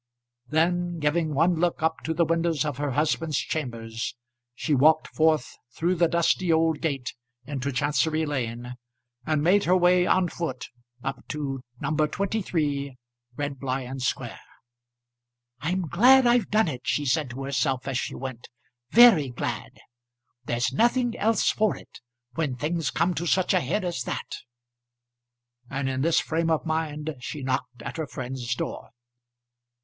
Then, giving one look up to the windows of her husband's chambers, she walked forth through the dusty old gate into Chancery Lane, and made her way on foot up to No. 23 Red Lion Square. "I'm glad I've done it," she said to herself as she went; "very glad. There's nothing else for it, when things come to such a head as that." And in this frame of mind she knocked at her friend's door.